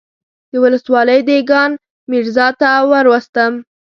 د ولسوالۍ دېګان ميرزا ته وروستم.